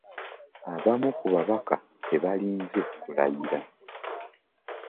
Abamu ku babaka tebalinze kulayira.